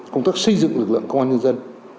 công tác xây dựng lực lượng công an nhân dân